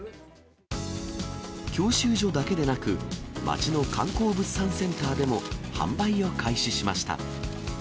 教習所だけでなく、町の観光物産センターでも販売を開始しました。